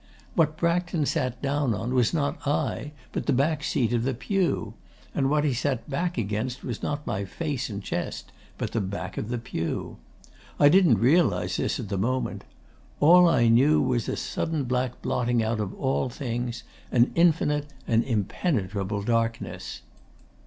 What Braxton sat down on was not I, but the seat of the pew; and what he sat back against was not my face and chest, but the back of the pew. I didn't realise this at the moment. All I knew was a sudden black blotting out of all things; an infinite and impenetrable darkness.